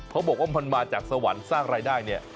เขาบอกว่ามันมาจากสวรรค์สร้างรายได้เนี่ย